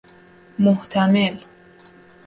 محتمل